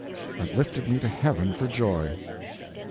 _" that lifted me to heaven for joy.